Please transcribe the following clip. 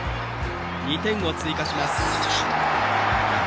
２点を追加します。